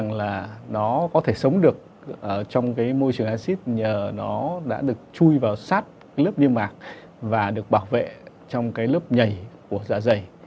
nó có thể sống được trong môi trường acid nhờ nó đã được chui vào sát lớp viêm mạc và được bảo vệ trong lớp nhảy của dạ dày